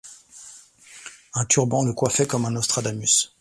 Un turban le coiffait comme un Nostradamus ;